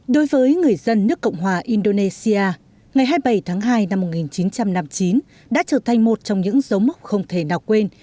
đối với người dân nước cộng hòa indonesia ngày hai mươi bảy tháng hai năm một nghìn chín trăm năm mươi chín đã trở thành một trong những dấu mốc không thể nào quên